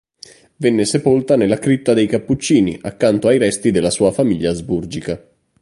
Venne sepolta nella cripta dei Cappuccini, accanto ai resti della sua famiglia asburgica.